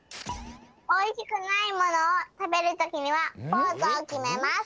おいしくないものをたべるときにはポーズをきめます。